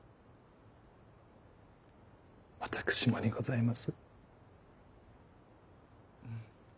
私もにございます。